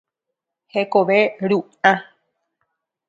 Hekove ru'ã.